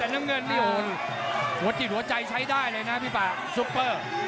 แต่น้ำเงินนี่โอ้โหหัวจิตหัวใจใช้ได้เลยนะพี่ป่าซุปเปอร์